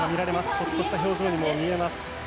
ホッとした表情にも見えます。